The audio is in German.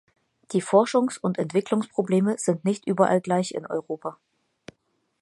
Die Forschungs- und Entwicklungsprobleme sind nicht überall gleich in Europa.